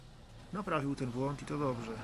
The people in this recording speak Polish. Naprawił ten błąd, i to dobrze